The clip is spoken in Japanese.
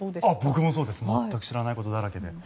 僕も全く知らないことだらけで。